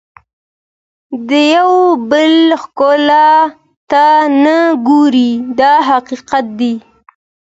د یو بل ښکلا ته نه ګوري دا حقیقت دی.